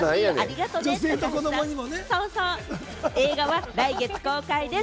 映画は来月公開です。